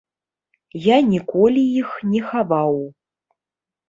Я ніколі іх не хаваў.